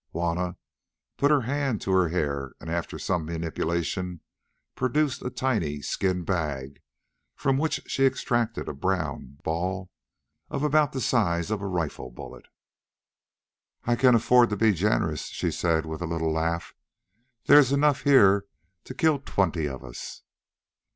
Juanna put her hand to her hair and after some manipulation produced a tiny skin bag, from which she extracted a brown ball of about the size of a rifle bullet. "I can afford to be generous," she said with a little laugh; "there is enough here to kill twenty of us."